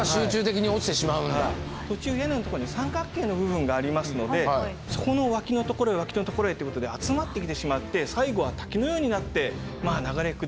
途中屋根のとこに三角形の部分がありますのでそこの脇のところへ脇のところへっていうことで集まってきてしまって最後は滝のようになってまあ流れ下ると。